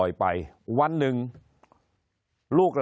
คนในวงการสื่อ๓๐องค์กร